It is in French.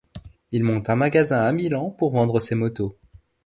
Il monte un magasin à Milan pour vendre ses motos.